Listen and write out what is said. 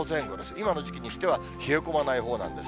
今の時期しては冷え込まないほうなんです。